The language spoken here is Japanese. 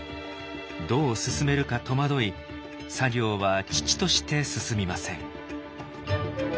どう進めるか戸惑い作業は遅々として進みません。